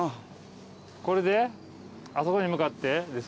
これであそこに向かってですか？